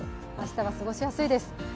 明日は過ごしやすいです。